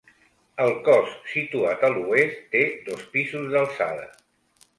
El cos situat a l'oest té dos pisos d'alçada.